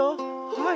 はい。